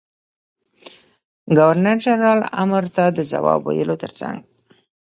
ګورنر جنرال امر ته د جواب ویلو تر څنګ.